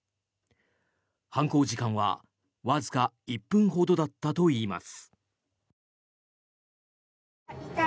犯行時間はわずか１分ほどだったといいます。